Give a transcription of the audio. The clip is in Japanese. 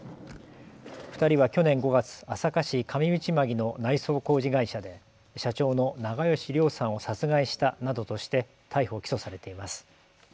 ２人は去年５月、朝霞市上内間木の内装工事会社で社長の長葭良さんを殺害したなどとして逮捕・起訴されています。